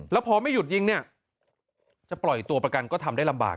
แล้วพอไม่หยุดยิงเนี่ยจะปล่อยตัวประกันก็ทำได้ลำบาก